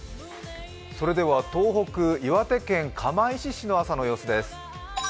それでは東北・岩手県釜石市の朝の様子です。